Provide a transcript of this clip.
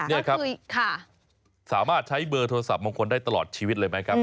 นี่ครับสามารถใช้เบอร์โทรศัพท์มงคลได้ตลอดชีวิตเลยไหมครับ